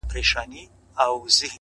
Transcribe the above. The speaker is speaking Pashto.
o بيا خپه يم مرور دي اموخته کړم ـ